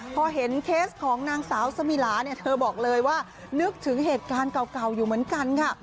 พอเห็นเคสของนางสาวสมิลาเนี่ยเธอบอกเลยว่านึกถึงเหตุการณ์เก่าอยู่เหมือนกันค่ะ